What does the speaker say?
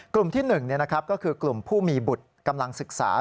กลุ่มที่๑ก็คือกลุ่มผู้มีบุตรกำลังศึกษา